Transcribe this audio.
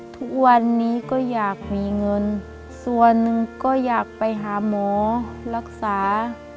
ทุกวันนี้ก็อยากมีเงินส่วนหนึ่งก็อยากไปหาหมอรักษา